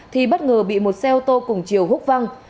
thì bất ngờ bị một xe ô tô cùng chiều hút văng